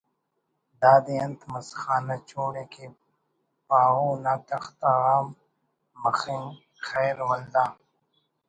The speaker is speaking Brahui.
دادے انت مس خانہ چوڑ ءِ کہ پاہو نا تختہ غا ہم مخک خیر…… ولدا